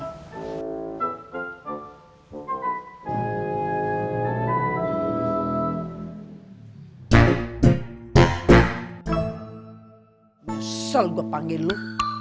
sesal gua panggil lu